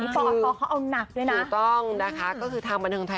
ใช่อันนั้นเป็นพื้นที่ของเขา